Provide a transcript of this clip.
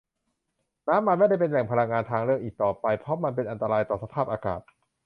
น้ำมันไม่ได้เป็นแหล่งพลังงานทางเลือกอีกต่อไป เพราะมันเป็นอันตรายต่อสภาพอากาศ